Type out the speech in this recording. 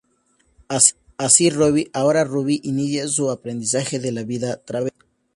Así Roby -ahora Ruby- inicia su aprendizaje de la vida travesti.